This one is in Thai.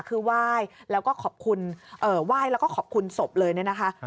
คือไหว้แล้วก็ขอบคุณไหว้แล้วก็ขอบคุณศพเลยเนี่ยนะคะ